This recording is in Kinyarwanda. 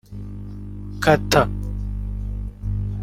Kata